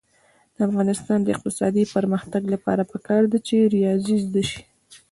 د افغانستان د اقتصادي پرمختګ لپاره پکار ده چې ریاضي زده شي.